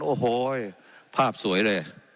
โอ้โหภาพสวยเลย